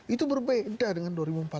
itu berbeda dengan dua ribu empat belas